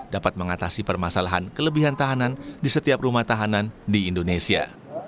dapat mengatasi permasalahan kelebihan tahanan di setiap rumah tahanan di indonesia